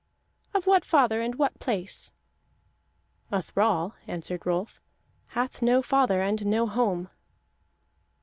"Of what father and what place?" "A thrall," answered Rolf, "hath no father and no home."